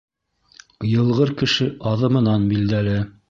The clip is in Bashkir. Йылғыр кеше аҙымынан билдәле.